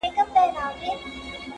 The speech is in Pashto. که هر څو یې کړېدی پلار له دردونو!!